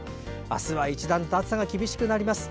明日は一段と暑さが厳しくなります。